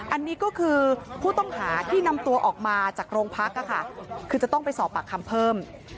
อันนี้ก็คือผู้ต้องหาที่นำตัวออกมาจากโรงพักคือจะต้องไปสอบปากคำเพิ่ม